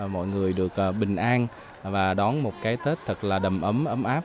mọi người được bình an và đón một cái tết thật là đầm ấm ấm áp